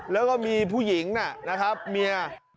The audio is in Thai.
แล้วก็มีผู้หญิงนะครับเมีย